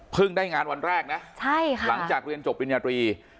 พึ่งได้งานวันแรกนะหลังจากเรียนจบธนิดหน้าที่